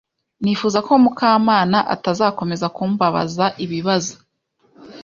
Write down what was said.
Nifuzaga ko Mukamana atazakomeza kumbabaza ibibazo.